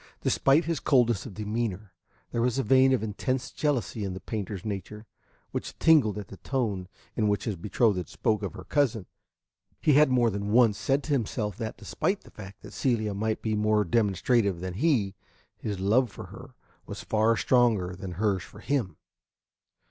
Despite his coldness of demeanor, there was a vein of intense jealousy in the painter's nature, which tingled at the tone in which his betrothed spoke of her cousin. He had more than once said to himself that, despite the fact that Celia might be more demonstrative than he, his love for her was far stronger than hers for him.